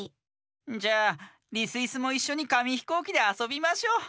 じゃあリスイスもいっしょにかみひこうきであそびましょう。